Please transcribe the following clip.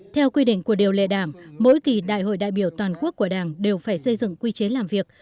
theo quy định của điều lệ đảng mỗi kỳ đại hội đại biểu toàn quốc của đảng đều phải xây dựng quy chế làm việc